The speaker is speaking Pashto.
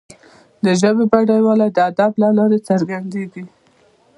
د ژبي بډایوالی د ادب له لارې څرګندیږي.